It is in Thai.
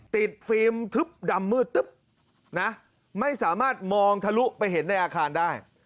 ฟิล์มทึบดำมืดตึ๊บนะไม่สามารถมองทะลุไปเห็นในอาคารได้